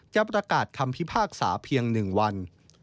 จะประกาศคำพิพากษาเพียง๑วัน